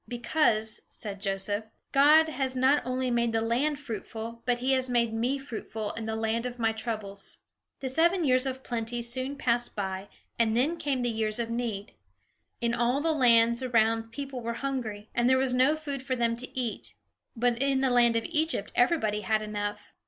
"Because," said Joseph, "God has not only made the land fruitful; but he has made me fruitful in the land of my troubles." The seven years of plenty soon passed by, and then came the years of need. In all the lands around people were hungry, and there was no food for them to eat; but in the land of Egypt everybody had enough.